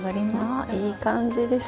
あいい感じです。